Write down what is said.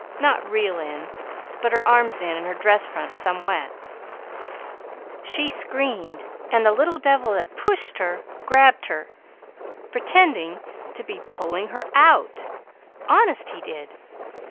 Not real in, but her arms in, and her dress front some wet. "She screamed while the little devil that pushed her grabbed her, pretending to be pulling her out. Honest he did!